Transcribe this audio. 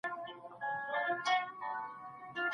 تېر وخت د یوه سبق په څېر هېر کړئ.